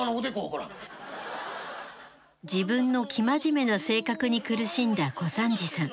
自分の生真面目な性格に苦しんだ小三治さん。